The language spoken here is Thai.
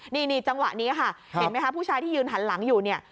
นี่จังหวะนี้ค่ะเห็นไหมคะผู้ชายที่ยืนหันหลังอยู่เนี่ย